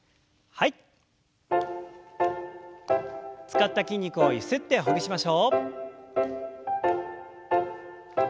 使った筋肉をゆすってほぐしましょう。